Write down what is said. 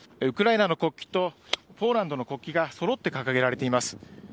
ウクライナの国旗とポーランドの国旗がそろって掲げられています。